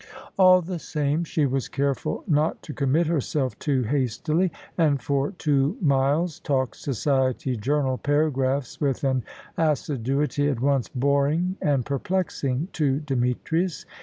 All the same, she was careful not to commit herself too hastily, and for two miles talked society journal paragraphs with an assiduity at once boring and perplexing to Demetrius.